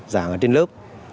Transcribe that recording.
giảng ở trên lớp